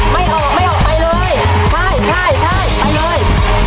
ไม่ออกไม่ออกไปเลยใช่ใช่ไปเลย